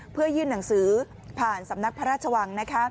เพื่อยื่นหนังสือผ่านสำนักพระราชวัง